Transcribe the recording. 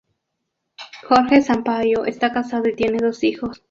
Jorge Sampaio está casado y tiene dos hijos.